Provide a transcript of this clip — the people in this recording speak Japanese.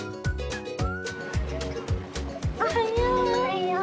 おはよう！